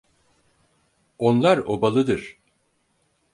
Onlar obalıdır.